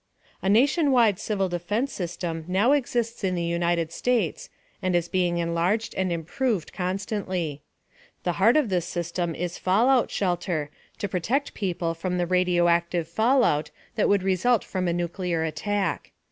A nationwide civil defense system now exists in the United States, and is being enlarged and improved constantly. The heart of this system is fallout shelter to protect people from the radioactive fallout that would result from a nuclear attack.